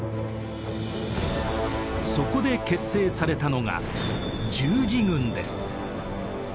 そこで結成されたのが十字軍です。